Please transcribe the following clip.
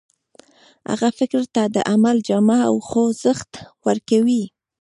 هغه فکر ته د عمل جامه او خوځښت ورکوي.